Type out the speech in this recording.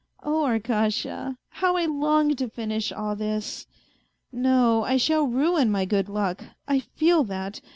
" Oh, Arkasha ! How I longed to finish all this. ... No, I shall ruin my good luck ! I feel that